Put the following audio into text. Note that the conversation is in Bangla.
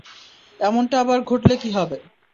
এমনটা আবার ঘটলে কী হবে?